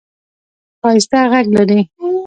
ښایسته ږغ لرې !